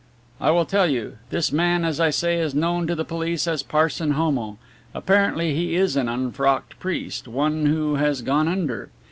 "I will tell you. This man, as I say, is known to the police as Parson Homo. Apparently he is an unfrocked priest, one who has gone under.